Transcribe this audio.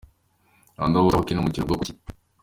Underwater hockey ni umukino bwoko ki?.